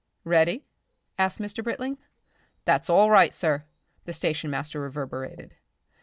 "Ready?" asked Mr. Britling. "That's all right sir," the station master reverberated.